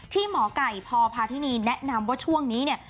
หมอไก่พพาธินีแนะนำว่าช่วงนี้เนี่ย